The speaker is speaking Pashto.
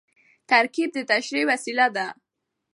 ترکیب د تشریح وسیله ده.